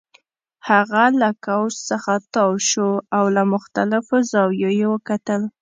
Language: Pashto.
هغه له کوچ څخه تاو شو او له مختلفو زاویو یې وکتل